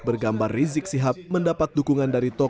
bergambar rizik sihab mendapat dukungan dari tokoh